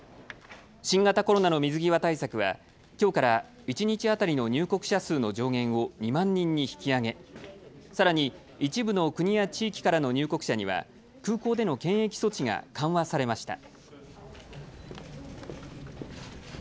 新型コロナの水際対策はきょうから一日当たりの入国者数の上限を２万人に引き上げさらに一部の国や地域からの入国者には空港での検疫措置が緩和されました。